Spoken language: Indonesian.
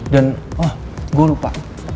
dan oh gue lupa